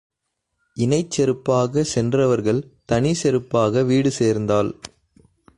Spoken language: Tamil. இணைச் செருப்பாகச் சென்றவர்கள் தனிச் செருப்பாக வீடு சேர்ந்தாள்.